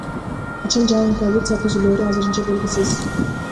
Качан жаңы коалиция түзүлөөрү азырынча белгисиз.